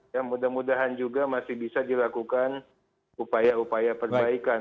ya mudah mudahan juga masih bisa dilakukan upaya upaya perbaikan